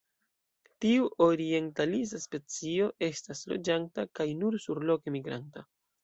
Tiu orientalisa specio estas loĝanta kaj nur surloke migranta.